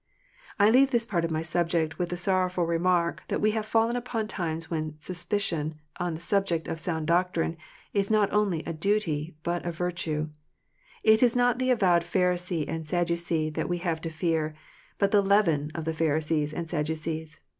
I leave this part of my subject with the sorrowful remark that we have fallen upon times when siispicum on the subject of sound doctrine is not only a duty but a virtue. It is not the avowed Pharisee and Sadducee that we have to fear, but the leaven of the Pharisees and Sadducees.